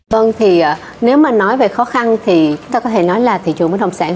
vâng thì nếu mà nói về khó khăn thì ta có thể nói là thị trường bất động sản